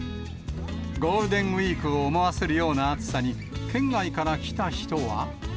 ゴールデンウィークを思わせるような暑さに、県外から来た人は。